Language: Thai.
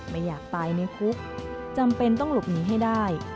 ไม่อยากตายในคุกจำเป็นต้องหลบหนีให้ได้